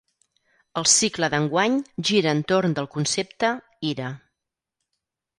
El cicle d’enguany gira entorn del concepte ‘ira’.